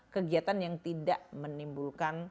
kegiatan yang tidak menimbulkan